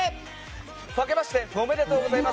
ふぁけましておめでとうございます。